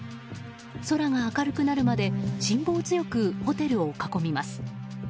空が明るくなるまで辛抱強くホテルを囲みます。